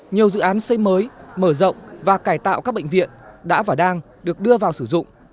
nhiều dự án xây mới mở rộng và cải tạo các bệnh viện đã và đang được đưa vào sử dụng